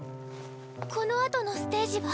このあとのステージは？